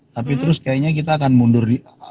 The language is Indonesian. tapi terus kayaknya kita akan mundur